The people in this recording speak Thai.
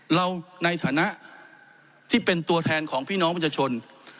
เราในฐานะที่เป็นตัวแทนของพี่น้องประชาชน